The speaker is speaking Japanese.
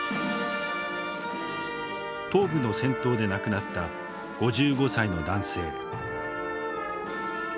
東部の戦闘で亡くなった５５歳の男性。